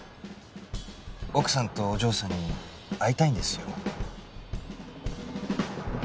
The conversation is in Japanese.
奥さんとお嬢さんに会いたいんですよ。